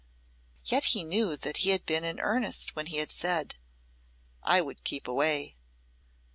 Yet he knew that he had been in earnest when he had said, "I would keep away."